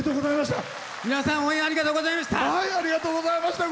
皆さん、応援ありがとうございました！